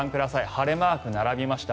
晴れマークが並びました。